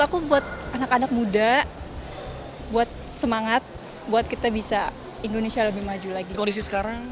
aku buat anak anak muda buat semangat buat kita bisa indonesia lebih maju lagi kondisi sekarang